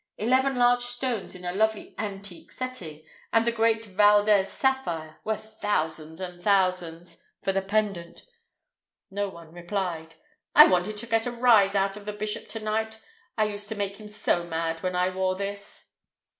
Eleven large stones in a lovely antique setting, and the great Valdez sapphire—worth thousands and thousands—for the pendant." No one replied. "I wanted to get a rise out of the bishop to night. It used to make him so mad when I wore this."